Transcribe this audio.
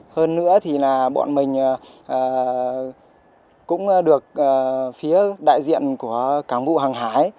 hơn nữa thì là bọn mình cũng được phía đại diện của cảng vụ hàng hải